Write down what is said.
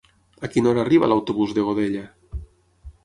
A quina hora arriba l'autobús de Godella?